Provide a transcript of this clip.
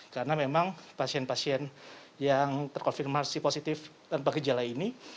karena memang pasien pasien yang terkonfirmasi positif dan pakai jala ini